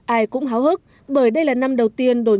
ai cũng háo hức bởi đây là năm đầu tiên đổi